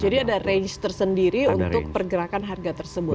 jadi ada range tersendiri untuk pergerakan harga tersebut